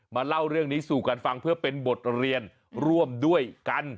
เล่าเรื่องนี้สู่กันฟังเพื่อเป็นบทเรียนร่วมด้วยกัน